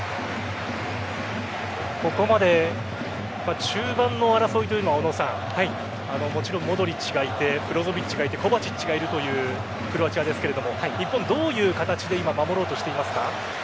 ここまで中盤の争いというのはもちろんモドリッチがいてブロゾヴィッチがいてコヴァチッチがいるというクロアチアですが日本、どういう形で守ろうとしていますか？